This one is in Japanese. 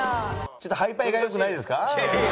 ちょっと配牌が良くないですか？